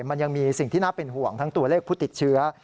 มันยังมีสิ่งที่น่าเป็นห่วงทั้งตัวเลขผู้ติดเชื้อ